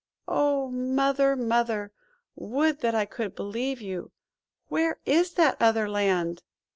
"Oh ! Mother, Mother, would that I could believe you! Where is that other Land?"